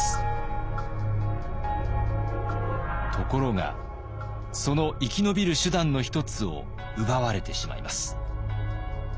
ところがその生き延びる手段の一つを奪われてしまいます。